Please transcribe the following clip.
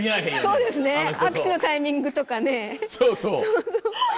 握手のタイミングとかね。